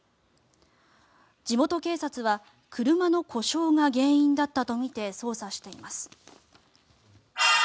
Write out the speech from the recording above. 地元警察は車の故障が原因だったとみて捜査しています。